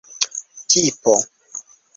tipo